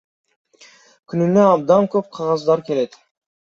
Күнүнө абдан көп кагаздар келет.